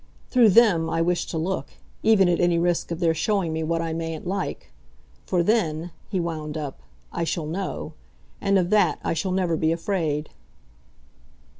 Through THEM I wish to look even at any risk of their showing me what I mayn't like. For then," he wound up, "I shall know. And of that I shall never be afraid."